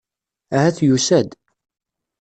Ahat yusa-d.